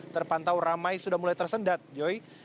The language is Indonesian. terpantau ramai sudah mulai tersendat joy